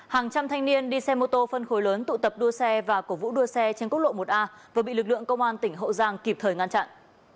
hàng trăm thanh niên đi xe mô tô phân khối lớn tụ tập đua xe và cổ vũ đua xe trên quốc lộ một a vừa bị lực lượng công an tỉnh hậu giang kịp thời ngăn chặn